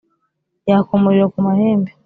Yaka umuriro ku mahembe